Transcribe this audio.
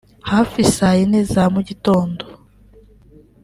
Hafi saa yine za mu gitondo